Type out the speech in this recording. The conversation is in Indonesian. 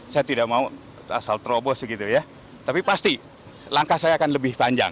saya tidak mau asal terobos begitu ya tapi pasti langkah saya akan lebih panjang